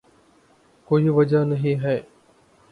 کوئی وجہ نہیں ہے۔